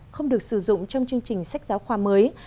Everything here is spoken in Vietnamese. không được sử dụng trong chương trình sách giáo khoa mới